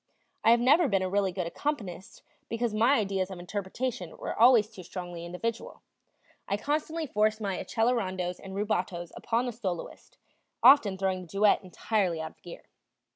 I have never been a really good accompanist because my ideas of interpretation were always too strongly individual. I constantly forced my accelerandos and rubatos upon the soloist, often throwing the duet entirely out of gear.